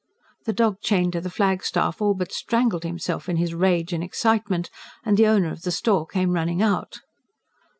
The dog chained to the flagstaff all but strangled himself in his rage and excitement; and the owner of the store came running out.